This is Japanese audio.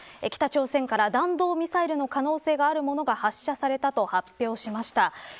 北朝鮮から弾道ミサイルの可能性があるものが発射されたと発表しました。